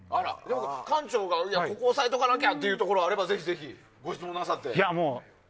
館長が押さえとかなきゃというところがあればご質問なさって。